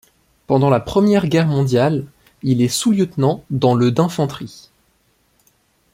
Pendant la Première Guerre mondiale il est sous-lieutenant dans le d'infanterie.